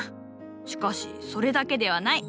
しかしそれだけではない。